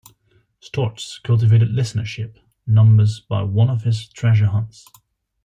Storz cultivated listenership numbers by one of his treasure hunts.